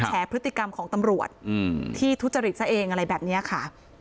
แฉพฤติกรรมของตำรวจที่ทุจริตซะเองอะไรแบบนี้ค่ะ